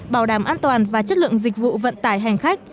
bảo đảm an toàn và chất lượng dịch vụ vận tải hành khách